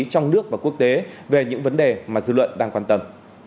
trong nước và quốc tế về những vấn đề mà dư luận đang quan tâm